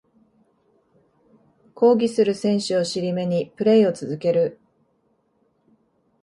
抗議する選手を尻目にプレイを続ける